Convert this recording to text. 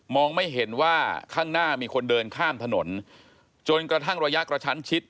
ไม่เห็นว่าข้างหน้ามีคนเดินข้ามถนนจนกระทั่งระยะกระชั้นชิด